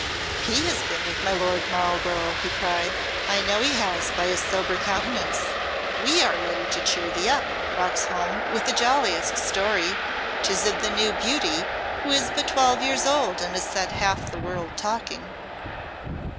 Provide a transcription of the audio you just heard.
"He has been with my Lord Marlborough," he cried; "I know he has by his sober countenance! We are ready to cheer thee up, Roxholm, with the jolliest story. 'Tis of the new beauty, who is but twelve years old and has set half the world talking."